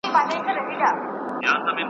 اوس به ځي په سمندر کی به ډوبیږي .